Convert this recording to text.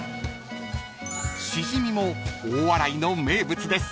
［しじみも大洗の名物です］